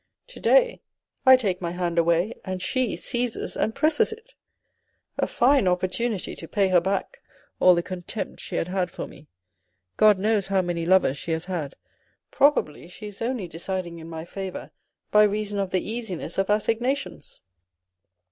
To day, I take my hand away, and she seizes and presses it. A fine opportunity to pay her back all the contempt she had had for me. God knows how many lovers she has had, probably she is only deciding in my favour by reason of the easiness of assignations."